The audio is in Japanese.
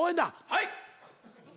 はい。